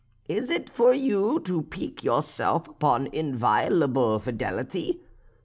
Is it for you to pique yourself upon inviolable fidelity?